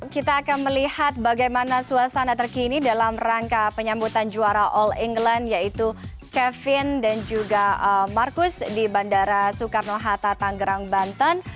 kita akan melihat bagaimana suasana terkini dalam rangka penyambutan juara all england yaitu kevin dan juga marcus di bandara soekarno hatta tanggerang banten